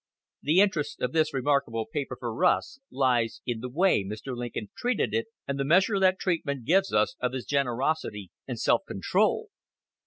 The interest of this remarkable paper for us lies in the way Mr. Lincoln treated it, and the measure that treatment gives us of his generosity and self control.